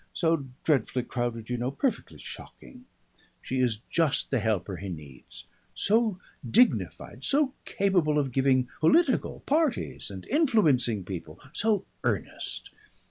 So dreadfully crowded, you know perfectly shocking.... She is just the helper he needs. So dignified so capable of giving political parties and influencing people, so earnest!